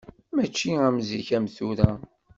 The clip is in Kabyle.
Mačči am zik am tura.